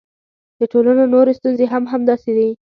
د ټولنو نورې ستونزې هم همداسې دي.